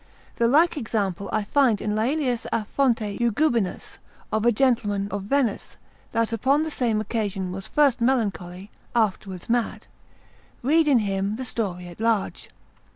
The like example I find in Laelius a Fonte Eugubinus, consult. 129, of a gentleman of Venice, that upon the same occasion was first melancholy, afterwards mad. Read in him the story at large.